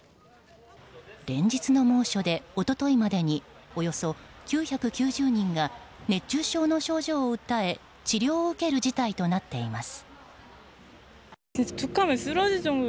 連日の猛暑で一昨日までにおよそ９９０人が熱中症の症状を訴え治療を受ける事態となっています。